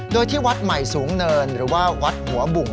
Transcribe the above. โดยที่วัดใหม่สูงเนินหรือว่าวัดหัวบุ่ง